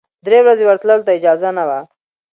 درې ورځې ورتللو ته اجازه نه وه.